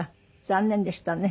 残念でしたね。